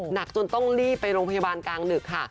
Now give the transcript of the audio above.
หนักจนต้องรีบไปโรงพยาบาลกลางดึกค่ะ